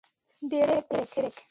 Derek, Derek, Derek.